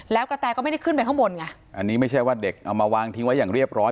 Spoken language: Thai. แล้วกระแตก็ไม่ได้ขึ้นไปข้างบนไงอันนี้ไม่ใช่ว่าเด็กเอามาวางทิ้งไว้อย่างเรียบร้อย